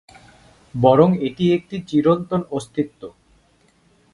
বরং এটি একটি চিরন্তন অস্তিত্ব।